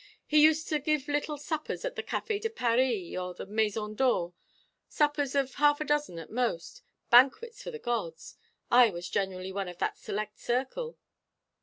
"He used to give little suppers at the Café de Paris or the Maison d'Or, suppers of half a dozen at most banquets for the gods. I was generally one of that select circle."